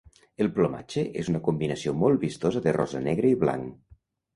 El plomatge és una combinació molt vistosa de rosa, negre i blanc.